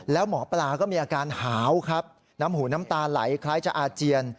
แล้วหมอปลาก็มีอาการหาวครับน้ำหูน้ำตาไหลคล้ายจะอาเจียน